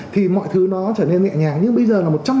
thì mọi thứ nó trở nên nhẹ nhàng nhưng bây giờ là